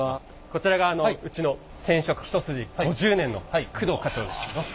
こちらがうちの染色一筋５０年の工藤課長です。